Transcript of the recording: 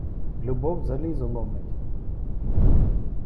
Любов залізо ломить.